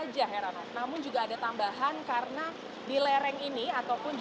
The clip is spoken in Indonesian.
dan yang terdapat di atas